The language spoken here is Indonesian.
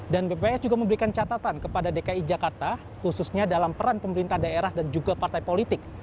dan bps juga memberikan catatan kepada dki jakarta khususnya dalam peran pemerintah daerah dan juga partai politik